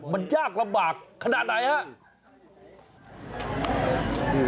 มันยากระบากขนาดไหนฮะ